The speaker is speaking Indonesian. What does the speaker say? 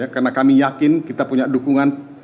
karena kami yakin kita punya dukungan